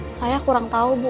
saya kurang tahu bu